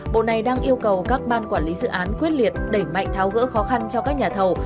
bộ này đang yêu cầu các ban quản lý dự án quyết liệt đẩy mạnh tháo gỡ khó khăn cho các nhà thầu